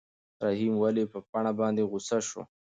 رحیم ولې په پاڼه باندې غوسه شو؟